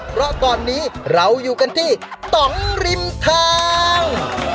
เพราะตอนนี้เราอยู่กันที่ต่องริมทาง